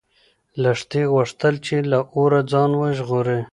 لښتې غوښتل چې له اوره ځان وژغوري.